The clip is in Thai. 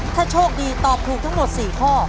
ถ้าโชคดีตอบถูกทั้งหมด๔ข้อ